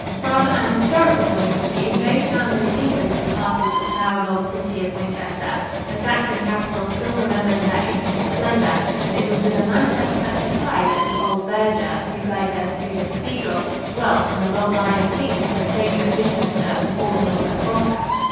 From an historical point of view, no town in the Kingdom surpasses the proud old city of Winchester. The Saxon capital still remembers her ancient splendor and it was with a manifest touch of pride that the old verger who guided us through the cathedral dwelt on the long line of kings who had reigned at Winchester before the Norman conquest.